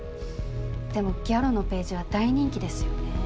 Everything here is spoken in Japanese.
でもギャロのページは大人気ですよねぇ。